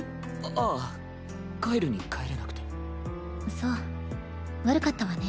ああ帰るに帰れなくてそう悪かったわね